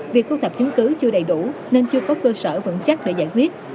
việc thu thập chứng cứ chưa đầy đủ nên chưa có cơ sở vững chắc để giải quyết